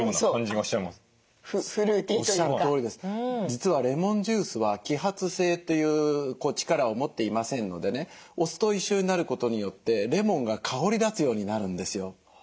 実はレモンジュースは揮発性という力を持っていませんのでねお酢と一緒になることによってレモンが香り立つようになるんですよ。